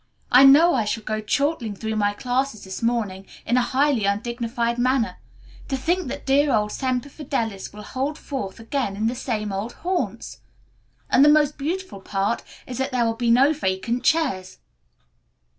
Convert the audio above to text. "I know I shall go chortling through my classes this morning in a highly undignified manner. To think that dear old Semper Fidelis will hold forth again in the same old haunts! And the most beautiful part is that there will be no vacant chairs."